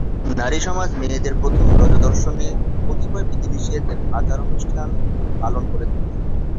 নারীসমাজ মেয়েদের প্রথম রজোদর্শনে কতিপয় বিধিনিষেধ এবং আচারানুষ্ঠান পালন করে থাকে।